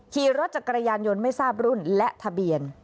ขี่รถจักรยานยนต์ไม่ทราบรุ่นและทะเบียน